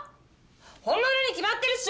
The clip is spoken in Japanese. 本物に決まってるっしょ！